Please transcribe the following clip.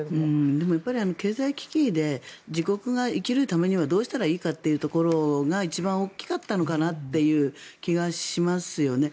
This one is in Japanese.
でも、経済危機で自国が生きるためにはどうしたらいいかというところが一番大きかったのかなという気がしますよね。